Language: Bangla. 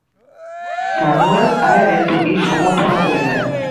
স্যামুয়েল অ্যালেনের প্রতি সমর্থনও কমে যায়।